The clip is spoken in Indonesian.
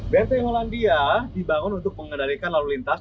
benteng hollandia dibangun untuk mengendalikan lalu lintas